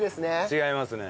違いますね。